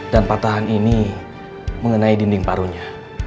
dan patahan ini mengenai dinding parunya